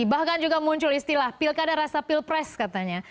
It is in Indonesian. bahkan juga muncul istilah pilkada rasa pilpres katanya